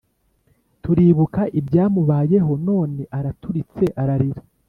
Turibuka ibyamubayeho none araturitse ararira